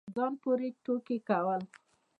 ځان پورې ټوقې كول